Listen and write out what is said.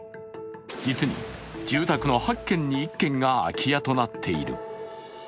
実に住宅の８軒に１軒が空き家となっている。